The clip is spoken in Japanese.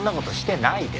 ないです。